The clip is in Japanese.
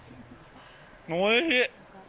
おいしい！